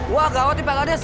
wah gawat nih pak ades